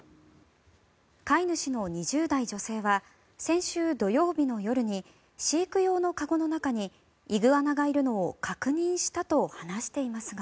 飼い主の２０代女性は先週土曜日の夜に飼育用の籠の中にイグアナがいるのを確認したと話していますが。